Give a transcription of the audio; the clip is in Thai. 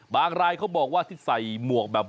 รายเขาบอกว่าที่ใส่หมวกแบบ